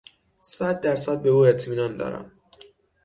صد در صد به او اطمینان دارم.